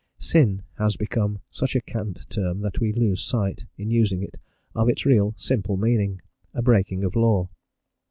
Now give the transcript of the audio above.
"Sin" has become such a cant term that we lose sight, in using it, of its real simple meaning, a breaking of law.